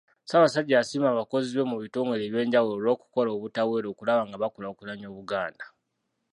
Ssaabasajja yasiima abakozi be mu bitongole ebyenjawulo olw’okukola obutaweera okulaba nga bakulaakulanya Obuganda.